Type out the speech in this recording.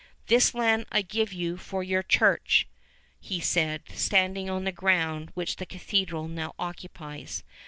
"This land I give for your church," he said, standing on the ground which the cathedral now occupies.